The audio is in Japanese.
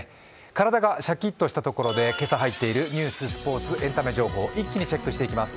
体がシャキッとしたところで今朝入っているニュース、スポーツエンタメ情報、一気にチェックしていきます。